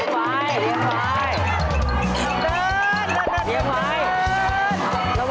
เร็วสุดท้ายแล้วสุดท้ายแล้ว